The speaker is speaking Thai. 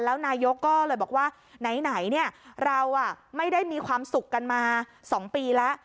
แล้วนายกก็เลยบอกว่าไหนเราไม่ได้มีความสุขกันมา๒ปีแล้ว